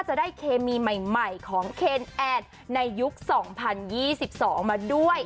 เคมีใหม่ของเคนแอดในยุค๒๐๒๒มาด้วย